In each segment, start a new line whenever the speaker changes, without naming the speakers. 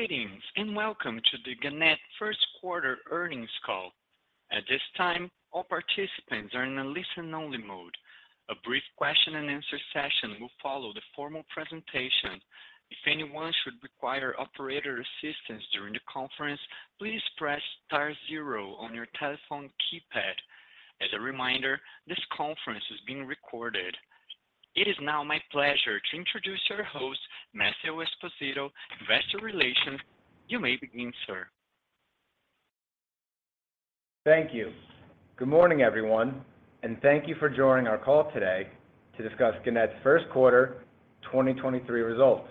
Greetings, welcome to the Gannett First Quarter Earnings Call. At this time, all participants are in a listen only mode. A brief question and answer session will follow the formal presentation. If anyone should require operator assistance during the conference, please press star zero on your telephone keypad. As a reminder, this conference is being recorded. It is now my pleasure to introduce your host, Matthew Esposito, Investor Relations. You may begin, sir.
Thank you. Good morning, everyone, and thank you for joining our call today to discuss Gannett's 1st quarter 2023 results.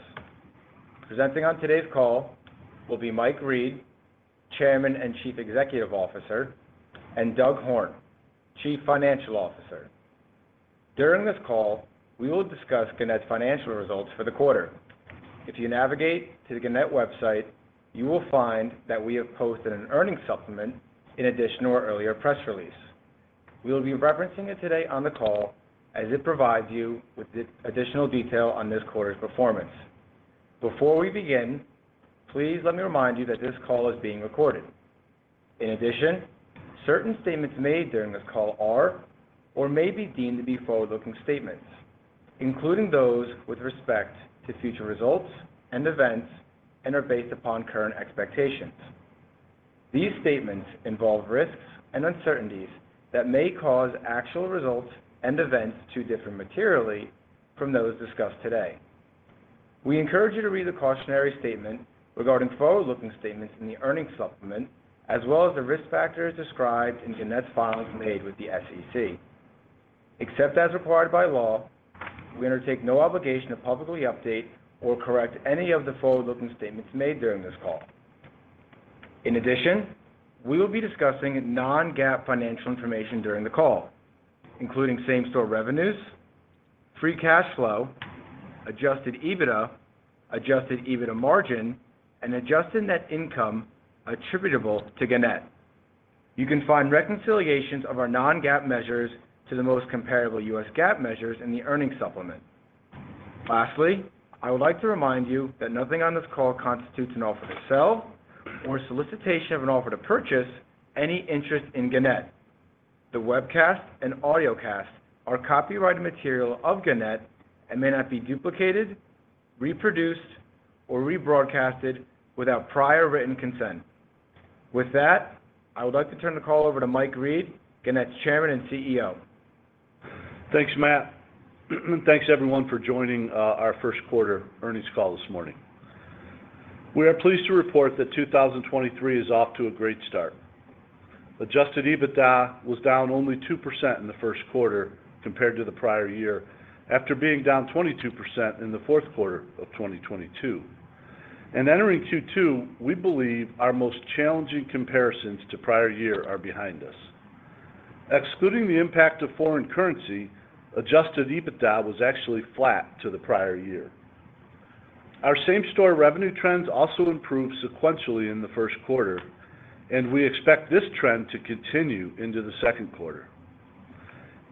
Presenting on today's call will be Mike Reed, Chairman and Chief Executive Officer, and Doug Horne, Chief Financial Officer. During this call, we will discuss Gannett's financial results for the quarter. If you navigate to the Gannett website, you will find that we have posted an earnings supplement in addition to our earlier press release. We will be referencing it today on the call as it provides you with additional detail on this quarter's performance. Before we begin, please let me remind you that this call is being recorded. In addition, certain statements made during this call are or may be deemed to be forward-looking statements, including those with respect to future results and events, and are based upon current expectations. These statements involve risks and uncertainties that may cause actual results and events to differ materially from those discussed today. We encourage you to read the cautionary statement regarding forward-looking statements in the earnings supplement, as well as the risk factors described in Gannett's filings made with the SEC. Except as required by law, we undertake no obligation to publicly update or correct any of the forward-looking statements made during this call. In addition, we will be discussing non-GAAP financial information during the call, including Same-Store Revenues, Free Cash Flow, Adjusted EBITDA, Adjusted EBITDA margin, and Adjusted Net Income attributable to Gannett. You can find reconciliations of our non-GAAP measures to the most comparable U.S. GAAP measures in the earnings supplement. Lastly, I would like to remind you that nothing on this call constitutes an offer to sell or solicitation of an offer to purchase any interest in Gannett. The webcast and audiocast are copyrighted material of Gannett and may not be duplicated, reproduced, or rebroadcasted without prior written consent. With that, I would like to turn the call over to Mike Reed, Gannett's Chairman and CEO.
Thanks, Matt. Thanks, everyone, for joining our first quarter earnings call this morning. We are pleased to report that 2023 is off to a great start. Adjusted EBITDA was down only 2% in the first quarter compared to the prior year after being down 22% in the fourth quarter of 2022. Entering Q2, we believe our most challenging comparisons to prior year are behind us. Excluding the impact of foreign currency, Adjusted EBITDA was actually flat to the prior year. Our same-store revenue trends also improved sequentially in the first quarter, and we expect this trend to continue into the second quarter.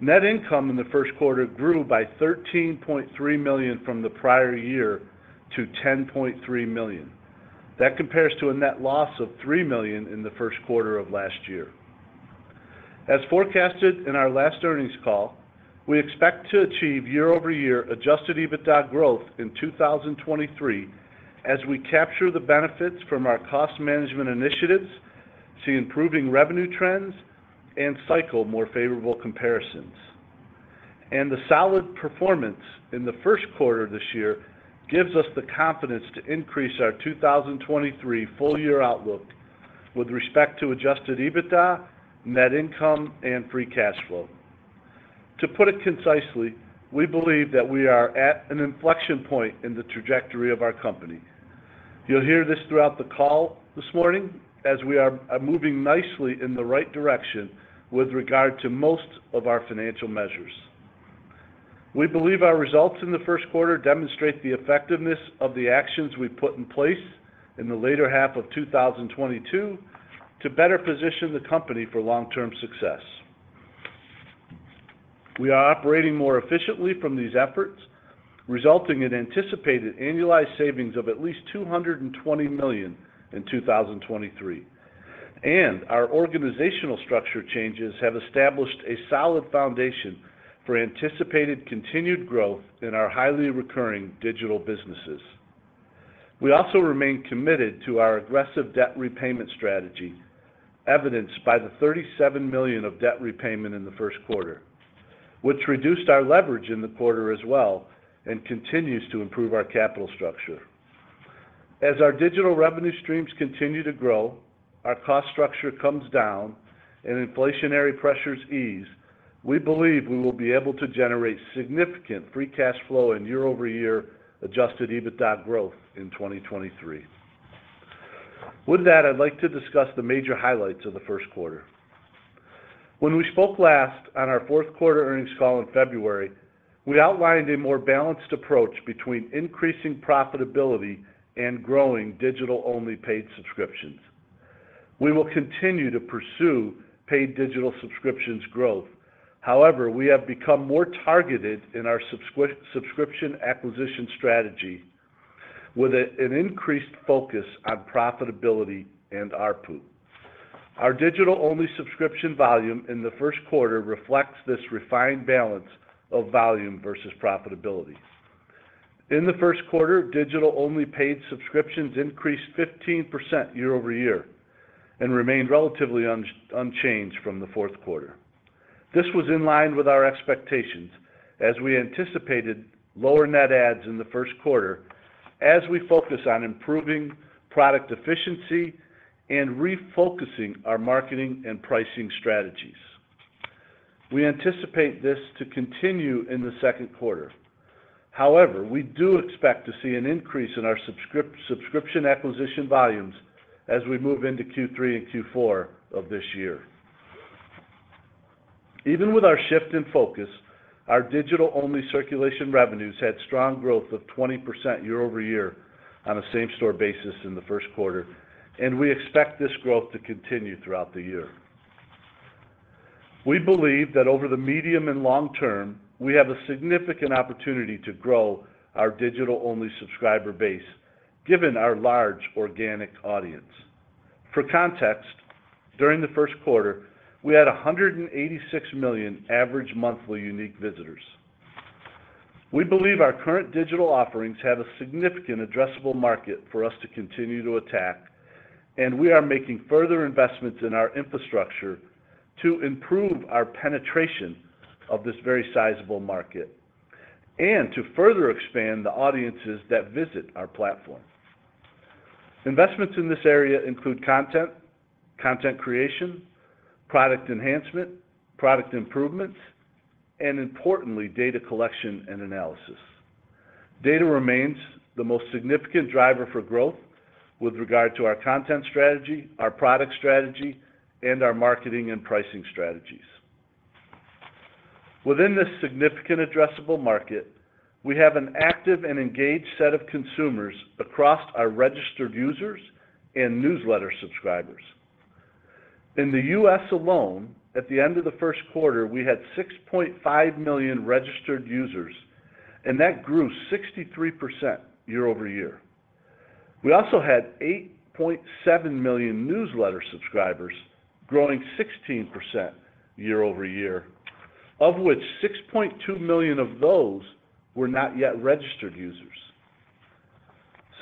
Net income in the first quarter grew by $13.3 million from the prior year to $10.3 million. That compares to a net loss of $3 million in the first quarter of last year. As forecasted in our last earnings call, we expect to achieve year-over-year Adjusted EBITDA growth in 2023 as we capture the benefits from our cost management initiatives to improving revenue trends and cycle more favorable comparisons. The solid performance in the first quarter this year gives us the confidence to increase our 2023 full year outlook with respect to Adjusted EBITDA, net income, and Free Cash Flow. To put it concisely, we believe that we are at an inflection point in the trajectory of our company. You'll hear this throughout the call this morning as we are moving nicely in the right direction with regard to most of our financial measures. We believe our results in the first quarter demonstrate the effectiveness of the actions we've put in place in the later half of 2022 to better position the company for long-term success. We are operating more efficiently from these efforts, resulting in anticipated annualized savings of at least $220 million in 2023. Our organizational structure changes have established a solid foundation for anticipated continued growth in our highly recurring digital businesses. We also remain committed to our aggressive debt repayment strategy, evidenced by the $37 million of debt repayment in the first quarter, which reduced our leverage in the quarter as well and continues to improve our capital structure. As our digital revenue streams continue to grow, our cost structure comes down, and inflationary pressures ease, we believe we will be able to generate significant Free Cash Flow and year-over-year Adjusted EBITDA growth in 2023. With that, I'd like to discuss the major highlights of the first quarter. When we spoke last on our fourth quarter earnings call in February, we outlined a more balanced approach between increasing profitability and growing digital-only paid subscriptions. We will continue to pursue paid digital subscriptions growth. However, we have become more targeted in our subscription acquisition strategy with an increased focus on profitability and ARPU. Our digital-only subscription volume in the first quarter reflects this refined balance of volume versus profitability. In the first quarter, digital-only paid subscriptions increased 15% year-over-year and remained relatively unchanged from the fourth quarter. This was in line with our expectations as we anticipated lower net adds in the first quarter as we focus on improving product efficiency and refocusing our marketing and pricing strategies. We anticipate this to continue in the second quarter. However, we do expect to see an increase in our subscription acquisition volumes as we move into Q3 and Q4 of this year. Even with our shift in focus, our digital-only circulation revenues had strong growth of 20% year-over-year on a Same-Store basis in the first quarter, and we expect this growth to continue throughout the year. We believe that over the medium and long term, we have a significant opportunity to grow our digital-only subscriber base given our large organic audience. For context, during the first quarter, we had 186 million average monthly unique visitors. We believe our current digital offerings have a significant addressable market for us to continue to attack. We are making further investments in our infrastructure to improve our penetration of this very sizable market and to further expand the audiences that visit our platform. Investments in this area include content creation, product enhancement, product improvements, and importantly, data collection and analysis. Data remains the most significant driver for growth with regard to our content strategy, our product strategy, and our marketing and pricing strategies. Within this significant addressable market, we have an active and engaged set of consumers across our registered users and newsletter subscribers. In the U.S. alone, at the end of the first quarter, we had 6.5 million registered users. That grew 63% year-over-year. We also had 8.7 million newsletter subscribers growing 16% year-over-year, of which 6.2 million of those were not yet registered users.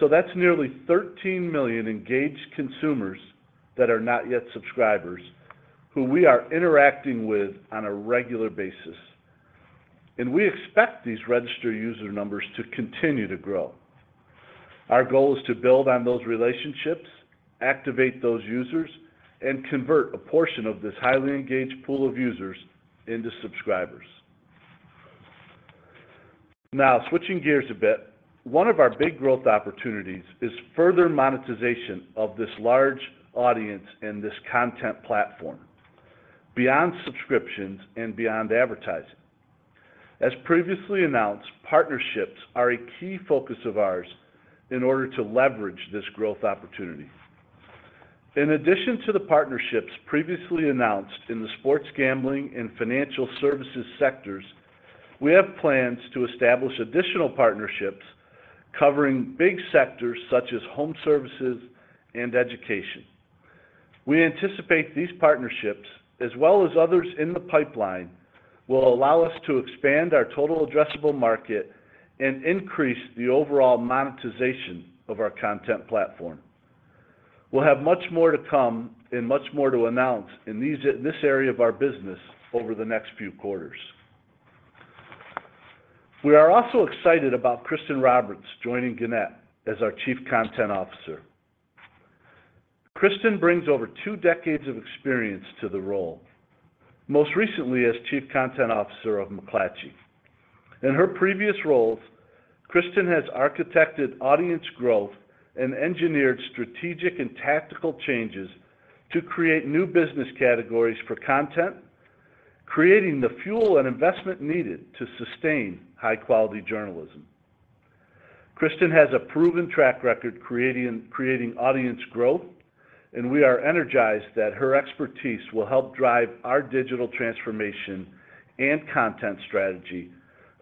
That's nearly 13 million engaged consumers that are not yet subscribers who we are interacting with on a regular basis, and we expect these registered user numbers to continue to grow. Our goal is to build on those relationships, activate those users, and convert a portion of this highly engaged pool of users into subscribers. Now, switching gears a bit, one of our big growth opportunities is further monetization of this large audience and this content platform beyond subscriptions and beyond advertising. As previously announced, partnerships are a key focus of ours in order to leverage this growth opportunity. In addition to the partnerships previously announced in the sports gambling and financial services sectors, we have plans to establish additional partnerships covering big sectors such as home services and education. We anticipate these partnerships, as well as others in the pipeline, will allow us to expand our total addressable market and increase the overall monetization of our content platform. We'll have much more to come and much more to announce in this area of our business over the next few quarters. We are also excited about Kristen Roberts joining Gannett as our Chief Content Officer. Kristen brings over two decades of experience to the role, most recently as Chief Content Officer of McClatchy. In her previous roles, Kristen has architected audience growth and engineered strategic and tactical changes to create new business categories for content, creating the fuel and investment needed to sustain high-quality journalism. Kristen has a proven track record creating audience growth, and we are energized that her expertise will help drive our digital transformation and content strategy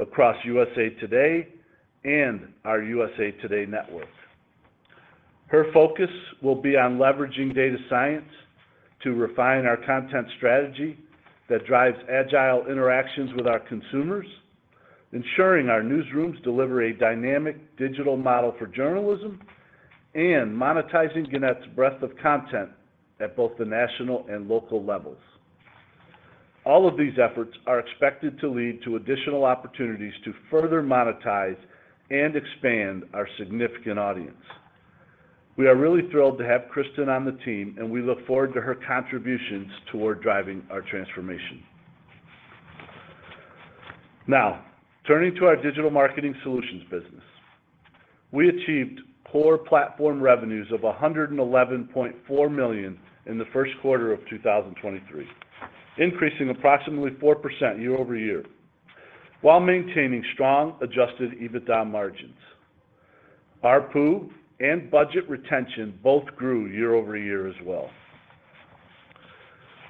across USA TODAY and our USA TODAY Network. Her focus will be on leveraging data science to refine our content strategy that drives agile interactions with our consumers, ensuring our newsrooms deliver a dynamic digital model for journalism, and monetizing Gannett's breadth of content at both the national and local levels. All of these efforts are expected to lead to additional opportunities to further monetize and expand our significant audience. We are really thrilled to have Kristen on the team, and we look forward to her contributions toward driving our transformation. Turning to our digital marketing solutions business. We achieved core platform revenues of $111.4 million in the first quarter of 2023, increasing approximately 4% year-over-year, while maintaining strong Adjusted EBITDA margins. ARPU and budget retention both grew year-over-year as well.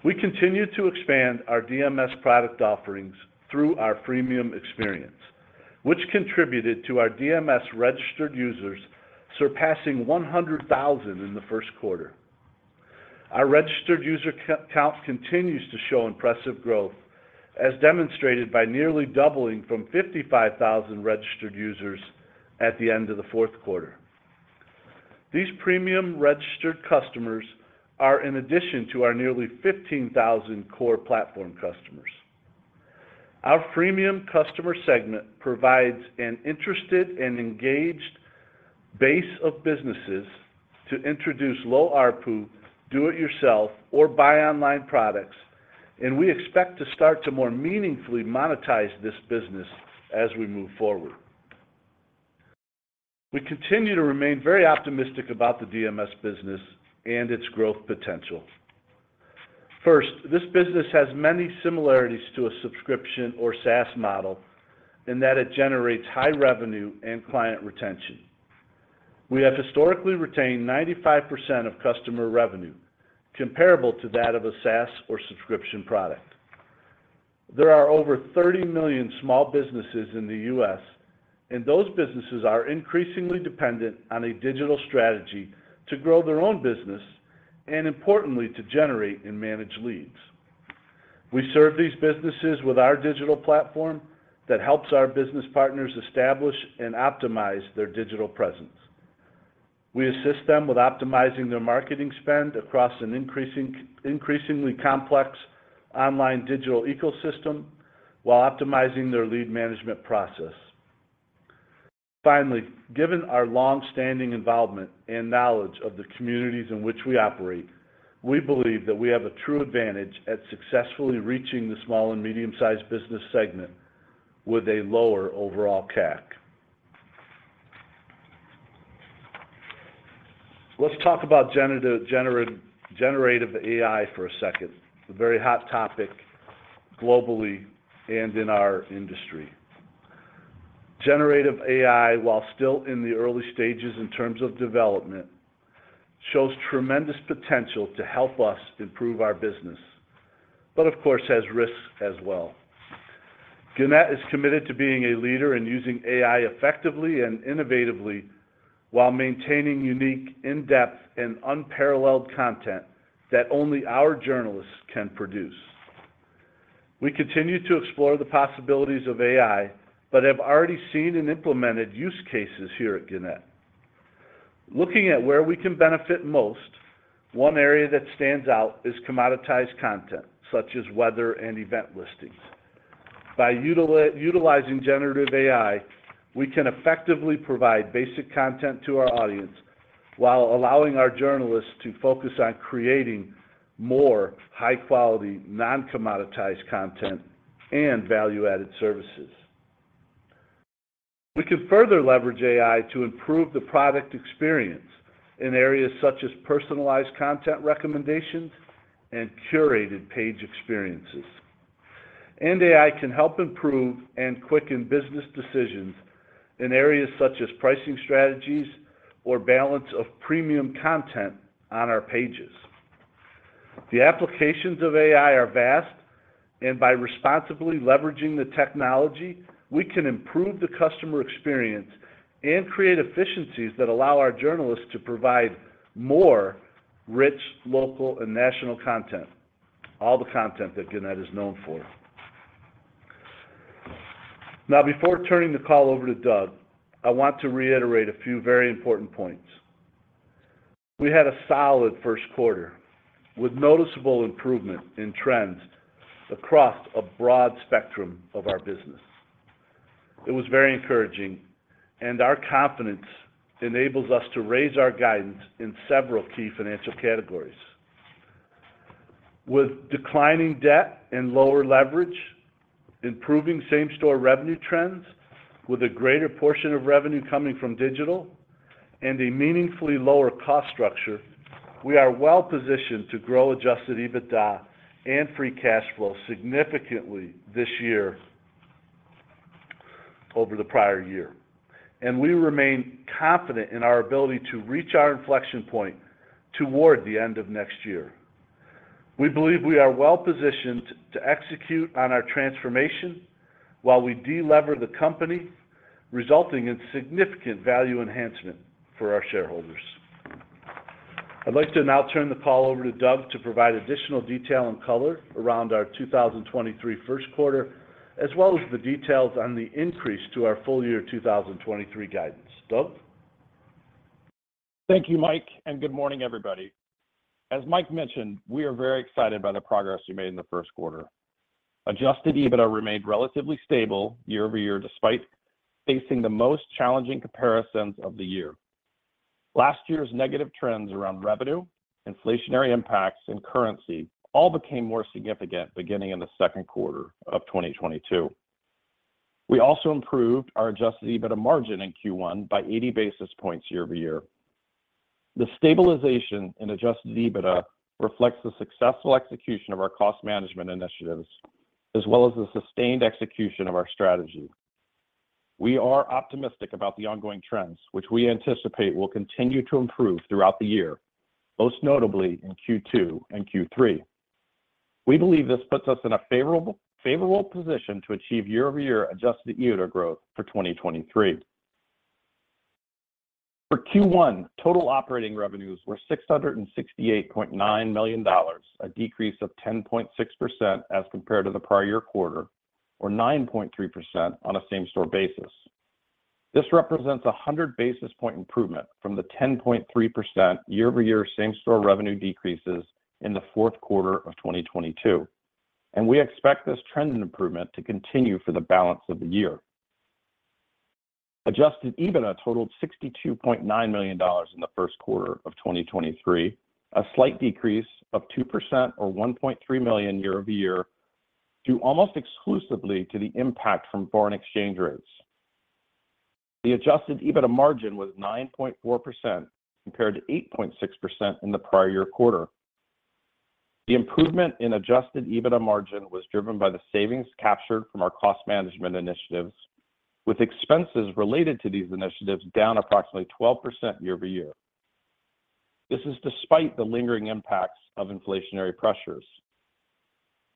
We continued to expand our DMS product offerings through our freemium experience, which contributed to our DMS registered users surpassing 100,000 in the first quarter. Our registered user count continues to show impressive growth as demonstrated by nearly doubling from 55,000 registered users at the end of the fourth quarter. These premium registered customers are in addition to our nearly 15,000 core platform customers. Our freemium customer segment provides an interested and engaged base of businesses to introduce low ARPU, do-it-yourself or buy online products, and we expect to start to more meaningfully monetize this business as we move forward. We continue to remain very optimistic about the DMS business and its growth potential. First, this business has many similarities to a subscription or SaaS model in that it generates high revenue and client retention. We have historically retained 95% of customer revenue comparable to that of a SaaS or subscription product. There are over 30 million small businesses in the U.S. Those businesses are increasingly dependent on a digital strategy to grow their own business and importantly, to generate and manage leads. We serve these businesses with our digital platform that helps our business partners establish and optimize their digital presence. We assist them with optimizing their marketing spend across an increasingly complex online digital ecosystem while optimizing their lead management process. Finally, given our long-standing involvement and knowledge of the communities in which we operate, we believe that we have a true advantage at successfully reaching the small and medium-sized business segment with a lower overall CAC. Let's talk about generative AI for a second. It's a very hot topic globally and in our industry. Generative AI, while still in the early stages in terms of development, shows tremendous potential to help us improve our business, but of course has risks as well. Gannett is committed to being a leader in using AI effectively and innovatively while maintaining unique, in-depth and unparalleled content that only our journalists can produce. We continue to explore the possibilities of AI, but have already seen and implemented use cases here at Gannett. Looking at where we can benefit most, one area that stands out is commoditized content such as weather and event listings. By utilizing Generative AI, we can effectively provide basic content to our audience while allowing our journalists to focus on creating more high quality, non-commoditized content and value-added services. We can further leverage AI to improve the product experience in areas such as personalized content recommendations and curated page experiences. And AI can help improve and quicken business decisions in areas such as pricing strategies or balance of premium content on our pages. The applications of AI are vast, and by responsibly leveraging the technology, we can improve the customer experience and create efficiencies that allow our journalists to provide more rich, local and national content. All the content that Gannett is known for. Now, before turning the call over to Doug, I want to reiterate a few very important points. We had a solid first quarter with noticeable improvement in trends across a broad spectrum of our business. It was very encouraging. Our confidence enables us to raise our guidance in several key financial categories. With declining debt and lower leverage, improving Same-Store Revenues trends with a greater portion of revenue coming from digital and a meaningfully lower cost structure, we are well positioned to grow Adjusted EBITDA and Free Cash Flow significantly this year over the prior year, and we remain confident in our ability to reach our inflection point toward the end of next year. We believe we are well positioned to execute on our transformation while we de-lever the company, resulting in significant value enhancement for our shareholders. I'd like to now turn the call over to Doug to provide additional detail and color around our 2023 first quarter, as well as the details on the increase to our full year 2023 guidance. Doug?
Thank you, Mike. Good morning, everybody. As Mike mentioned, we are very excited by the progress we made in the first quarter. Adjusted EBITDA remained relatively stable year-over-year, despite facing the most challenging comparisons of the year. Last year's negative trends around revenue, inflationary impacts and currency all became more significant beginning in the second quarter of 2022. We also improved our Adjusted EBITDA margin in Q1 by 80 basis points year-over-year. The stabilization in Adjusted EBITDA reflects the successful execution of our cost management initiatives as well as the sustained execution of our strategy. We are optimistic about the ongoing trends, which we anticipate will continue to improve throughout the year, most notably in Q2 and Q3. We believe this puts us in a favorable position to achieve year-over-year Adjusted EBITDA growth for 2023. For Q1, total operating revenues were $668.9 million, a decrease of 10.6% as compared to the prior year quarter or 9.3% on a Same-Store basis. This represents 100 basis point improvement from the 10.3% year-over-year Same-Store revenue decreases in the fourth quarter of 2022. We expect this trend and improvement to continue for the balance of the year. Adjusted EBITDA totaled $62.9 million in the first quarter of 2023, a slight decrease of 2% or $1.3 million year-over-year due almost exclusively to the impact from foreign exchange rates. The Adjusted EBITDA margin was 9.4% compared to 8.6% in the prior year quarter. The improvement in Adjusted EBITDA margin was driven by the savings captured from our cost management initiatives, with expenses related to these initiatives down approximately 12% year-over-year. This is despite the lingering impacts of inflationary pressures.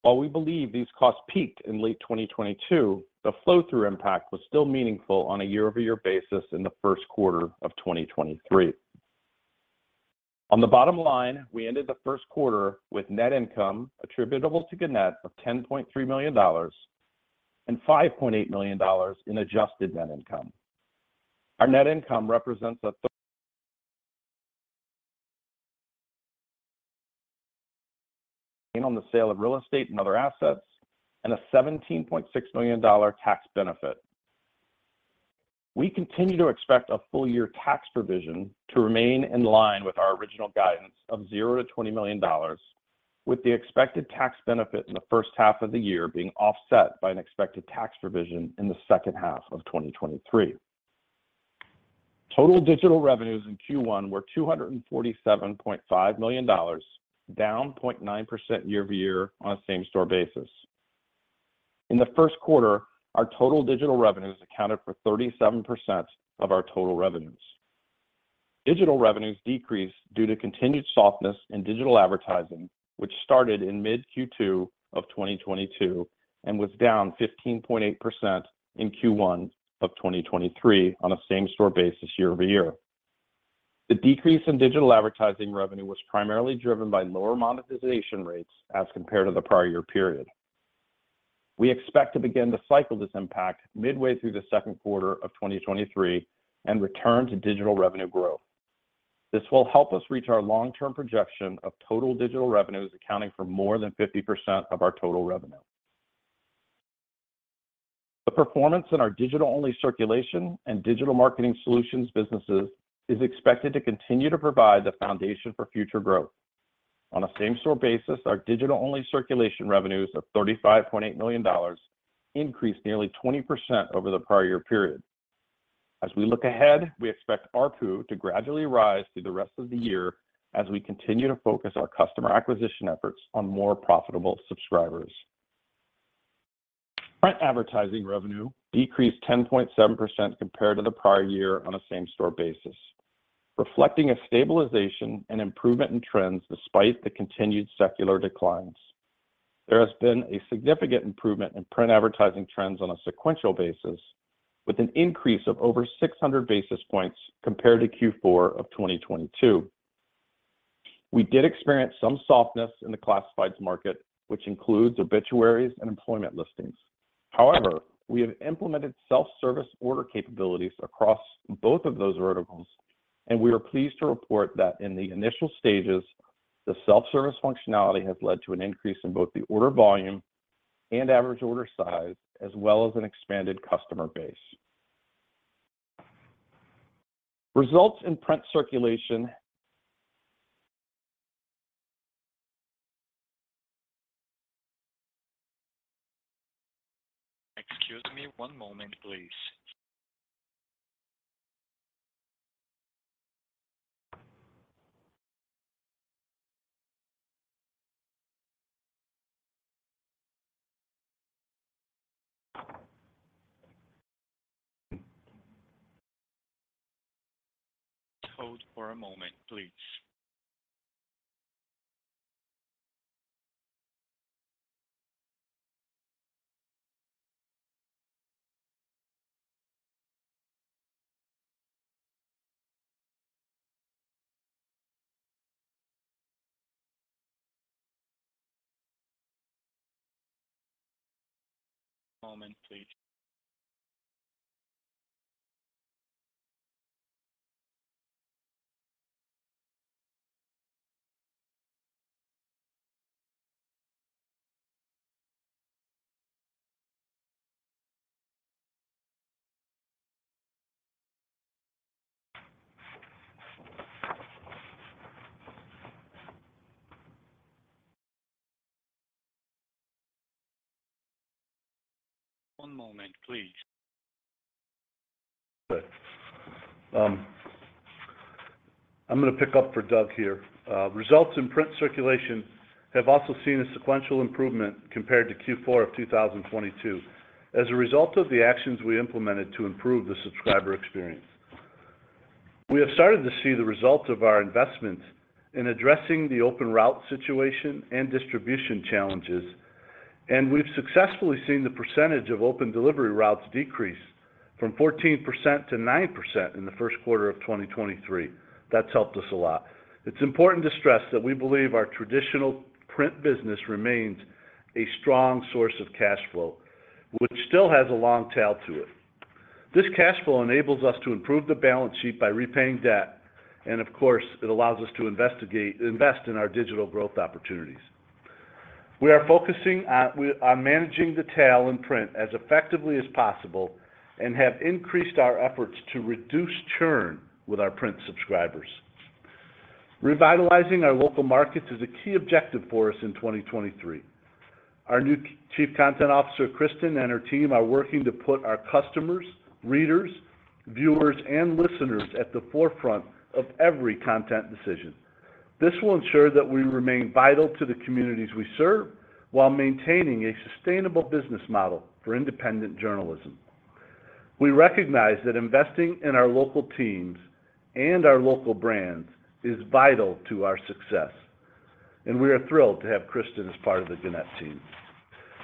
While we believe these costs peaked in late 2022, the flow-through impact was still meaningful on a year-over-year basis in the first quarter of 2023. On the bottom line, we ended the first quarter with net income attributable to Gannett of $10.3 million and $5.8 million in Adjusted Net Income. Our net income represents a gain on the sale of real estate and other assets and a $17.6 million tax benefit. We continue to expect a full-year tax provision to remain in line with our original guidance of $0-$20 million, with the expected tax benefit in the first half of the year being offset by an expected tax provision in the second half of 2023. Total digital revenues in Q1 were $247.5 million, down 0.9% year-over-year on a Same-Store basis. In the first quarter, our total digital revenues accounted for 37% of our total revenues. Digital revenues decreased due to continued softness in digital advertising, which started in mid Q2 of 2022 and was down 15.8% in Q1 of 2023 on a Same-Store basis year-over-year. The decrease in digital advertising revenue was primarily driven by lower monetization rates as compared to the prior year period. We expect to begin to cycle this impact midway through the second quarter of 2023 and return to digital revenue growth. This will help us reach our long-term projection of total digital revenues accounting for more than 50% of our total revenue. The performance in our digital-only circulation and digital marketing solutions businesses is expected to continue to provide the foundation for future growth. On a same-store basis, our digital-only circulation revenues of $35.8 million increased nearly 20% over the prior year period. As we look ahead, we expect ARPU to gradually rise through the rest of the year as we continue to focus our customer acquisition efforts on more profitable subscribers. Print advertising revenue decreased 10.7% compared to the prior year on a same-store basis, reflecting a stabilization and improvement in trends despite the continued secular declines. There has been a significant improvement in print advertising trends on a sequential basis, with an increase of over 600 basis points compared to Q4 of 2022. We did experience some softness in the classifieds market, which includes obituaries and employment listings. We have implemented self-service order capabilities across both of those verticals, and we are pleased to report that in the initial stages, the self-service functionality has led to an increase in both the order volume and average order size, as well as an expanded customer base. Excuse me one moment, please. Hold for a moment, please. Moment please. One moment, please.
I'm going to pick up for Doug here. Results in print circulation have also seen a sequential improvement compared to Q4 of 2022 as a result of the actions we implemented to improve the subscriber experience. We have started to see the results of our investments in addressing the open route situation and distribution challenges, and we've successfully seen the percentage of open delivery routes decrease from 14% to 9% in the first quarter of 2023. That's helped us a lot. It's important to stress that we believe our traditional print business remains a strong source of cash flow, which still has a long tail to it. This cash flow enables us to improve the balance sheet by repaying debt, and of course, it allows us to invest in our digital growth opportunities. We are focusing on managing the tail in print as effectively as possible and have increased our efforts to reduce churn with our print subscribers. Revitalizing our local markets is a key objective for us in 2023. Our new Chief Content Officer, Kristin, and her team are working to put our customers, readers, viewers, and listeners at the forefront of every content decision. This will ensure that we remain vital to the communities we serve while maintaining a sustainable business model for independent journalism. We recognize that investing in our local teams and our local brands is vital to our success, and we are thrilled to have Kristin as part of the Gannett team.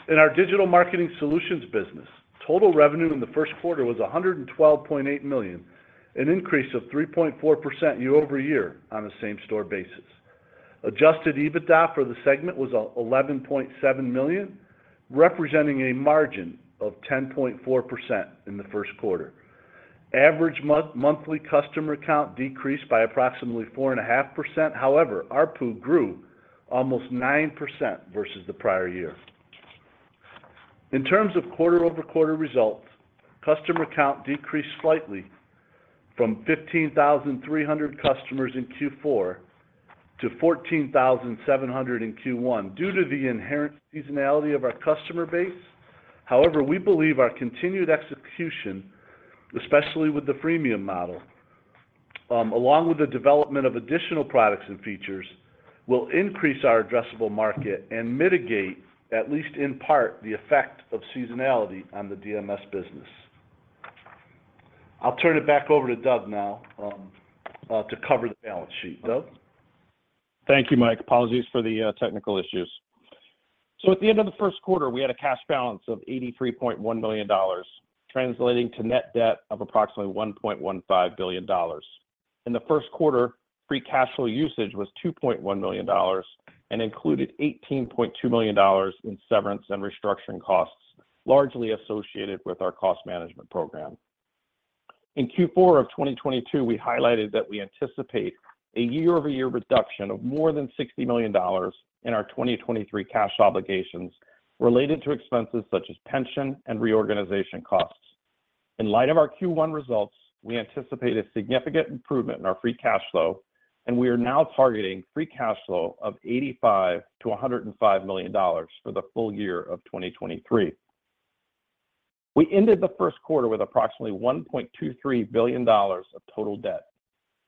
In our digital marketing solutions business, total revenue in the first quarter was $112.8 million, an increase of 3.4% year-over-year on a same-store basis. Adjusted EBITDA for the segment was $11.7 million, representing a margin of 10.4% in the first quarter. Average monthly customer count decreased by approximately 4.5%. However, ARPU grew almost 9% versus the prior year. In terms of quarter-over-quarter results, customer count decreased slightly from 15,300 customers in Q4 to 14,700 in Q1 due to the inherent seasonality of our customer base. We believe our continued execution, especially with the freemium model, along with the development of additional products and features, will increase our addressable market and mitigate, at least in part, the effect of seasonality on the DMS business. I'll turn it back over to Doug now to cover the balance sheet. Doug?
Thank you, Mike. Apologies for the technical issues. At the end of the first quarter, we had a cash balance of $83.1 million, translating to net debt of approximately $1.15 billion. In the first quarter, Free Cash Flow usage was $2.1 million and included $18.2 million in severance and restructuring costs, largely associated with our cost management program. In Q4 of 2022, we highlighted that we anticipate a year-over-year reduction of more than $60 million in our 2023 cash obligations related to expenses such as pension and reorganization costs. In light of our Q1 results, we anticipate a significant improvement in our Free Cash Flow, and we are now targeting Free Cash Flow of $85 million-$105 million for the full year of 2023. We ended the first quarter with approximately $1.23 billion of total debt.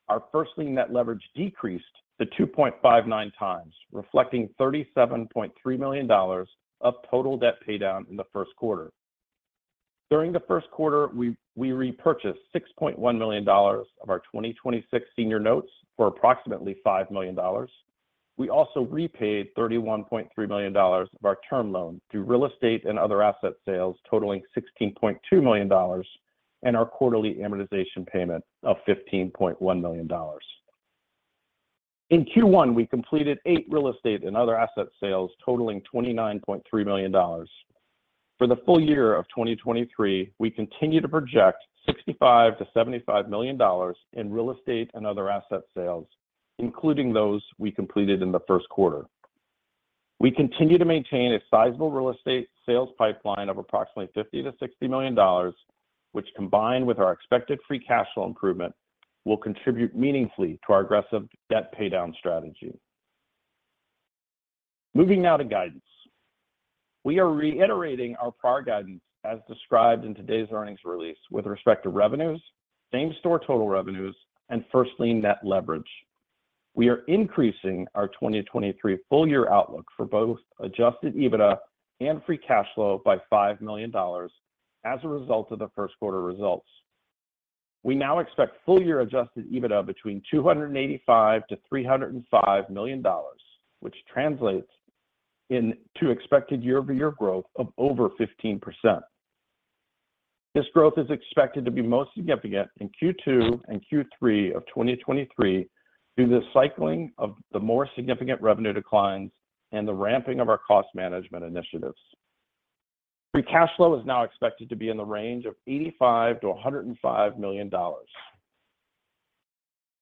Our First Lien Net Leverage decreased to 2.59 times, reflecting $37.3 million of total debt paydown in the first quarter. During the first quarter, we repurchased $6.1 million of our 2026 senior notes for approximately $5 million. We also repaid $31.3 million of our term loan through real estate and other asset sales totaling $16.2 million and our quarterly amortization payment of $15.1 million. In Q1, we completed eight real estate and other asset sales totaling $29.3 million. For the full year of 2023, we continue to project $65 million-$75 million in real estate and other asset sales, including those we completed in the first quarter. We continue to maintain a sizable real estate sales pipeline of approximately $50 million-$60 million, which combined with our expected Free Cash Flow improvement, will contribute meaningfully to our aggressive debt paydown strategy. Moving now to guidance. We are reiterating our prior guidance as described in today's earnings release with respect to revenues, Same-Store total revenues, and First Lien Net Leverage. We are increasing our 2023 full year outlook for both Adjusted EBITDA and Free Cash Flow by $5 million as a result of the first quarter results. We now expect full year Adjusted EBITDA between $285 million-$305 million, which translates in to expected year-over-year growth of over 15%. This growth is expected to be most significant in Q2 and Q3 of 2023 due to cycling of the more significant revenue declines and the ramping of our cost management initiatives. Free Cash Flow is now expected to be in the range of $85 million-$105 million.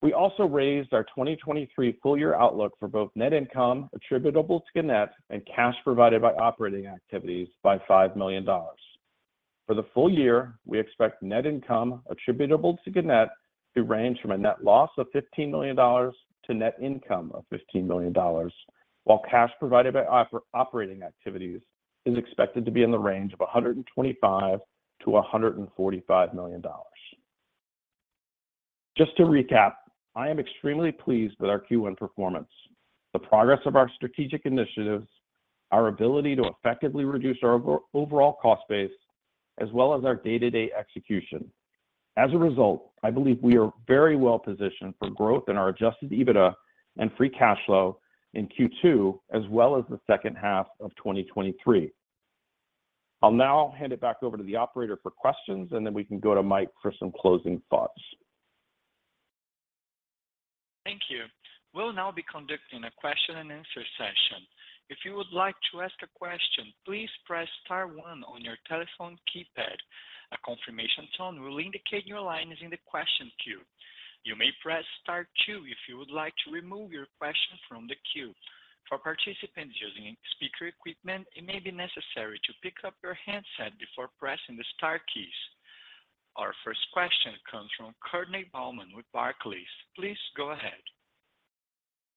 We also raised our 2023 full year outlook for both net income attributable to Gannett and cash provided by operating activities by $5 million. For the full year, we expect net income attributable to Gannett to range from a net loss of $15 million to net income of $15 million.
While cash provided by operating activities is expected to be in the range of $125 million-$145 million. Just to recap, I am extremely pleased with our Q1 performance, the progress of our strategic initiatives, our ability to effectively reduce our overall cost base, as well as our day-to-day execution. As a result, I believe we are very well-positioned for growth in our Adjusted EBITDA and Free Cash Flow in Q2, as well as the second half of 2023. I'll now hand it back over to the operator for questions, and then we can go to Mike for some closing thoughts.
Thank you. We'll now be conducting a question and answer session. If you would like to ask a question, please press star one on your telephone keypad. A confirmation tone will indicate your line is in the question queue. You may press star two if you would like to remove your question from the queue. For participants using speaker equipment, it may be necessary to pick up your handset before pressing the star keys. Our first question comes from Courtney Bahlman with Barclays. Please go ahead.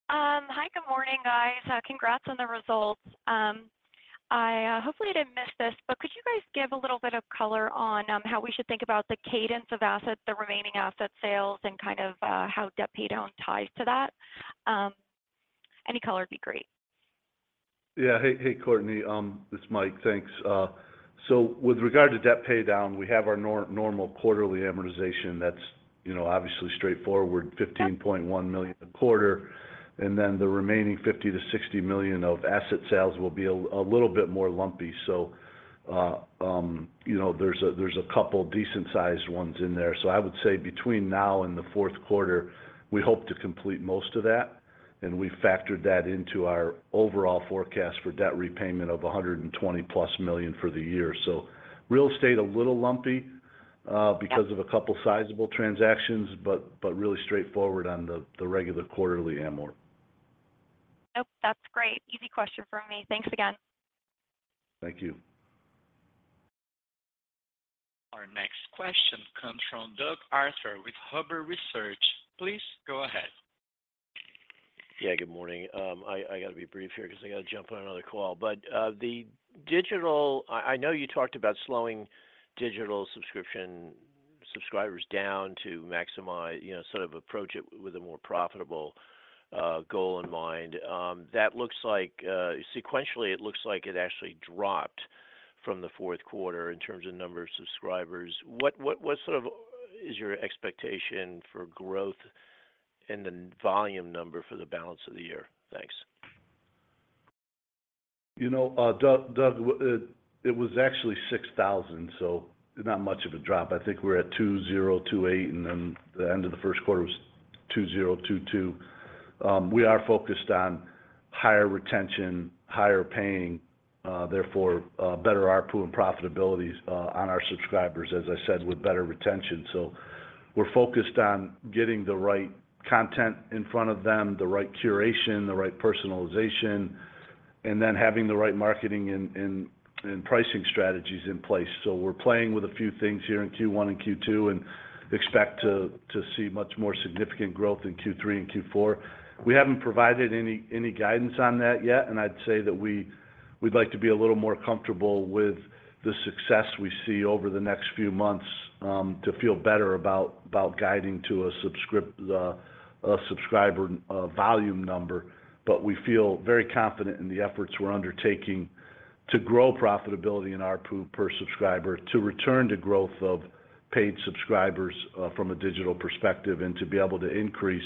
Hi, good morning, guys. Congrats on the results. I, hopefully didn't miss this, but could you guys give a little bit of color on how we should think about the cadence of assets, the remaining asset sales, and kind of how debt pay down ties to that? Any color would be great.
Yeah. Hey, Courtney. This is Mike. Thanks. With regard to debt pay down, we have our normal quarterly amortization that's, you know, obviously straightforward, $15.1 million a quarter. The remaining $50 million-$60 million of asset sales will be a little bit more lumpy. You know, there's a couple decent sized ones in there. I would say between now and the fourth quarter, we hope to complete most of that, and we factored that into our overall forecast for debt repayment of $120+ million for the year. Real estate, a little lumpy,
Yep...
because of a couple sizable transactions, but really straightforward on the regular quarterly amort.
Nope. That's great. Easy question from me. Thanks again.
Thank you.
Our next question comes from Doug Arthur with Huber Research. Please go ahead.
Yeah, good morning. I gotta be brief here 'cause I gotta jump on another call. The digital... I know you talked about slowing digital subscription subscribers down to maximize... You know, sort of approach it with a more profitable goal in mind. That looks like... Sequentially, it looks like it actually dropped from the fourth quarter in terms of number of subscribers. What sort of is your expectation for growth and the volume number for the balance of the year? Thanks.
You know, Doug, it was actually 6,000, so not much of a drop. I think we're at 2,028, and then the end of the first quarter was 2,022. We are focused on higher retention, higher paying, therefore, better ARPU and profitabilities on our subscribers, as I said, with better retention. We're focused on getting the right content in front of them, the right curation, the right personalization, and then having the right marketing and pricing strategies in place. We're playing with a few things here in Q1 and Q2, and expect to see much more significant growth in Q3 and Q4. We haven't provided any guidance on that yet. I'd say that we'd like to be a little more comfortable with the success we see over the next few months, to feel better about guiding to a subscriber volume number. We feel very confident in the efforts we're undertaking to grow profitability in ARPU per subscriber, to return to growth of paid subscribers, from a digital perspective, and to be able to increase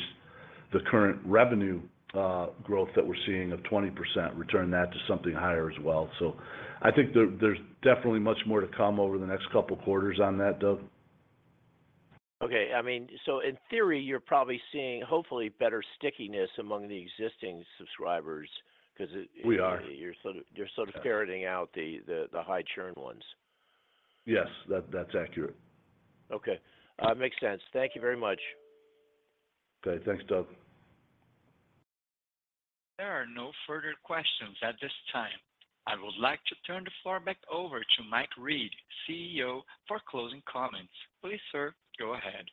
the current revenue growth that we're seeing of 20%, return that to something higher as well. I think there's definitely much more to come over the next couple quarters on that, Doug.
Okay. I mean, so in theory, you're probably seeing, hopefully, better stickiness among the existing subscribers.
We are
you're sort of
Yeah...
parroting out the high churn ones.
Yes. That's accurate.
Okay. makes sense. Thank you very much.
Okay. Thanks, Doug.
There are no further questions at this time. I would like to turn the floor back over to Mike Reed, CEO, for closing comments. Please, sir, go ahead.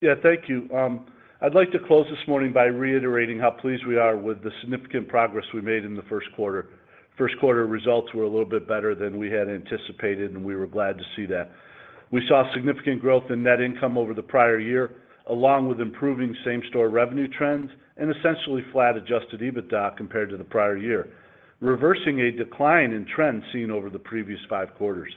Yeah. Thank you. I'd like to close this morning by reiterating how pleased we are with the significant progress we made in the first quarter. First quarter results were a little bit better than we had anticipated, and we were glad to see that. We saw significant growth in Net Income over the prior year, along with improving Same-Store Revenue trends and essentially flat Adjusted EBITDA compared to the prior year, reversing a decline in trends seen over the previous five quarters.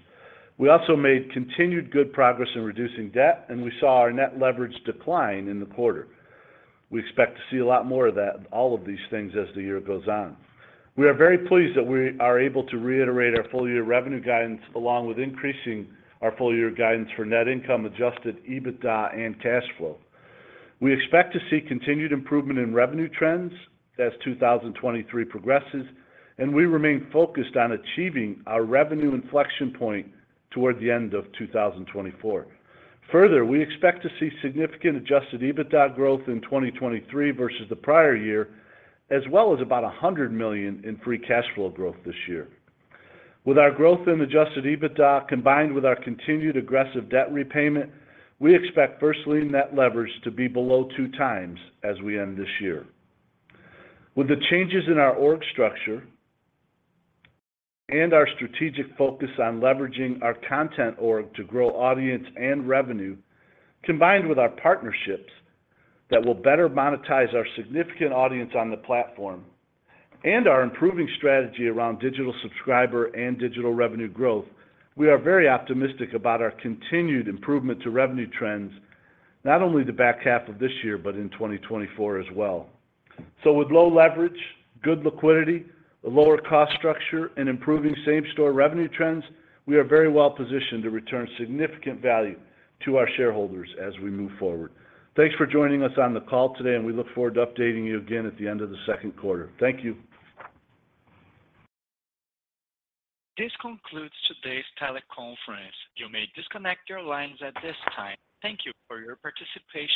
We also made continued good progress in reducing debt, and we saw our Net Leverage decline in the quarter. We expect to see a lot more of that, all of these things as the year goes on. We are very pleased that we are able to reiterate our full year revenue guidance, along with increasing our full year guidance for Net Income, Adjusted EBITDA and Cash Flow. We expect to see continued improvement in revenue trends as 2023 progresses, and we remain focused on achieving our revenue inflection point toward the end of 2024. Further, we expect to see significant Adjusted EBITDA growth in 2023 versus the prior year, as well as about $100 million in Free Cash Flow growth this year. With our growth in Adjusted EBITDA, combined with our continued aggressive debt repayment, we expect First Lien Net Leverage to be below 2 times as we end this year. With the changes in our org structure and our strategic focus on leveraging our content org to grow audience and revenue, combined with our partnerships that will better monetize our significant audience on the platform and our improving strategy around digital subscriber and digital revenue growth, we are very optimistic about our continued improvement to revenue trends, not only the back half of this year, but in 2024 as well. With low leverage, good liquidity, a lower cost structure, and improving Same-Store Revenue trends, we are very well-positioned to return significant value to our shareholders as we move forward. Thanks for joining us on the call today, and we look forward to updating you again at the end of the second quarter. Thank you.
This concludes today's teleconference. You may disconnect your lines at this time. Thank you for your participation.